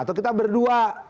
atau kita berdua